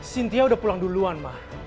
sintia udah pulang duluan ma